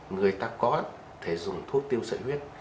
người ta có thể dùng thuốc tiêu sợi huyết